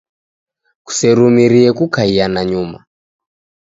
Kuserumirie kukaia nanyuma.